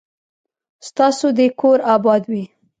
ستاسو دي کور اباد وي